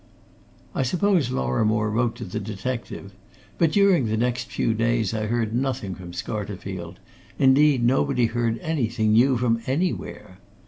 I suppose Lorrimore wrote to the detective. But during the next few days I heard nothing from Scarterfield; indeed nobody heard anything new from anywhere.